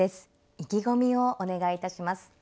意気込みをお願いいたします。